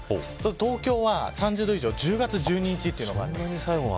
東京は３０度以上１０月１２日というのがあります。